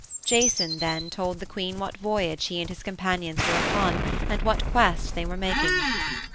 Jason, then, told the queen what voyage he and his companions were upon and what quest they were making.